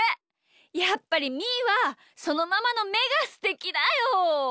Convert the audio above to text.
やっぱりみーはそのままのめがすてきだよ！